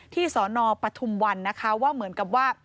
สนปฐุมวันนะคะว่าเหมือนกับว่า